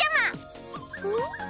ん？